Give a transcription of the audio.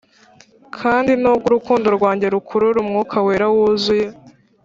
kandi nubwo urukundo rwanjye rukurura umwuka wera, wuzuye,